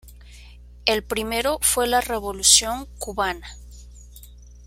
El primero fue la Revolución cubana.